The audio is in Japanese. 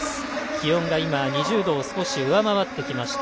気温が２０度を少し上回ってきました。